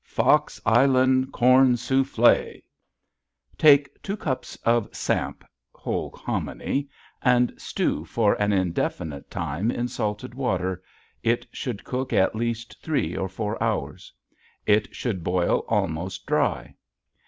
Fox Island Corn Souffle "Take two cups of samp (whole hominy) and stew for an indefinite time in salted water (it should cook at least three or four hours). It should boil almost dry.